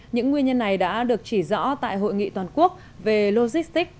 những nguyên nhân này đã được chỉ rõ tại hội nghị toàn quốc về logistics